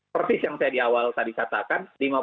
persis yang saya di awal tadi katakan